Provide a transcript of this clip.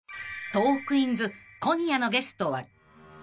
［『トークィーンズ』今夜のゲストは］